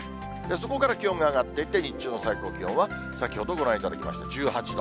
そこから気温が上がっていって、日中の最高気温は、先ほどご覧いただきました１８度。